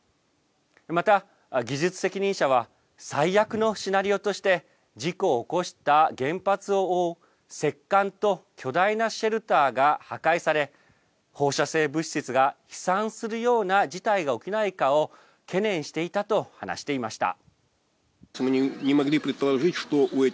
また、技術責任者は、最悪のシナリオとして、事故を起こした原発を覆う石棺と巨大なシェルターが破壊され、放射性物質が飛散するような事態が起きないかを懸念していたと話していました。